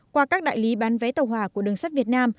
qua các đại lý bán vé tàu hòa của đường sắt việt nam